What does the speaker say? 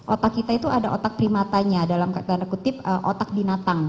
otak kita itu ada otak primatanya dalam tanda kutip otak binatang